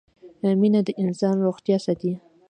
مينه د انسان روغتيا ساتي